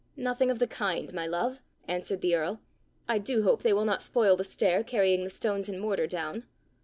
"Nothing of the kind, my love," answered the earl. " I do hope they will not spoil the stair carrying the stones and mortar down!"